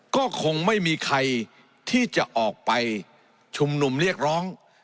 ก็คงไม่มีใครที่จะออกไปชุมนุมเรียกร้อง